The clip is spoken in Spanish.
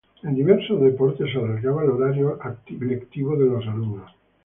En diversos deportes se alargaba el horario lectivo de los alumnos.